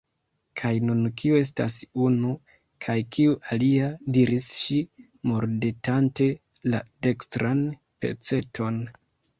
"Kaj nun kiu estas 'unu' kaj kiu 'alia'?" diris ŝi mordetante la dekstran peceton.